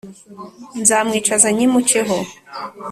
Nzamwicaza nyimuceho